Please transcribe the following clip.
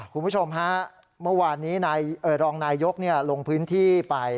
คุณผู้ชมฮะเมื่อวานนี้รองนายยกลงพื้นที่ไป